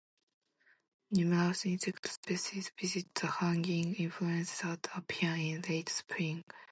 Numerous insect species visit the hanging inflorescences that appear in late spring.